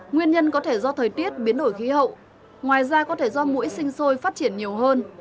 nguyên nhân có thể do thời tiết biến đổi khí hậu ngoài ra có thể do mũi sinh sôi phát triển nhiều hơn